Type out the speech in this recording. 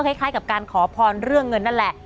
คล้ายกับการขอพรเรื่องเงินนั่นแหละ